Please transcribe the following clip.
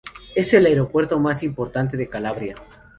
Es el aeropuerto más importante de Calabria.